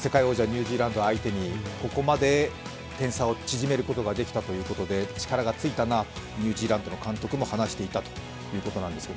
ニュージーランド相手にここまで点差を縮めることができたということで、力がついたな、ニュージーランドの監督も話していたということですが。